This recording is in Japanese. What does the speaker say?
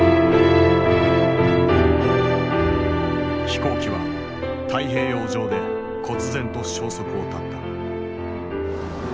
飛行機は太平洋上でこつ然と消息を絶った。